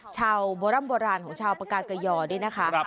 โบร่ำโบราณของชาวปากาเกยอด้วยนะคะ